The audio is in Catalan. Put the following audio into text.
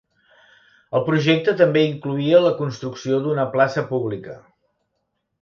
El projecte també incloïa la construcció d'una plaça pública.